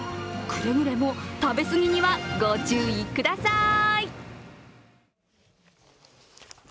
くれぐれも食べ過ぎにはご注意くださーい。